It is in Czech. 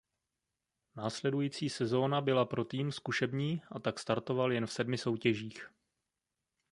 Následující sezona byla pro tým zkušební a tak startoval jen v sedmi soutěžích.